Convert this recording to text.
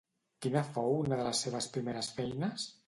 Quina fou una de les seves primeres feines?